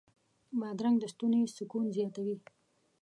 بادرنګ د ستوني سکون زیاتوي.